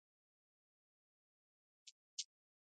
د علامه رشاد لیکنی هنر مهم دی ځکه چې احتمالي خطا مخنیوی کوي.